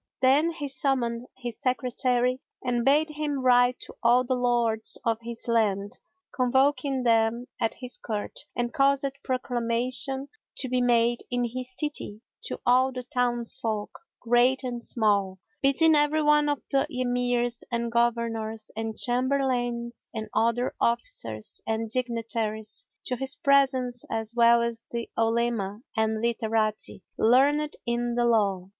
Then he summoned his Secretary and bade him write to all the Lords of his land, convoking them at his Court, and caused proclamation to be made in his city to all the townsfolk great and small, bidding every one of the Emirs and Governors and Chamberlains and other officers and dignitaries to his presence as well as the Olema and Literati learned in the law.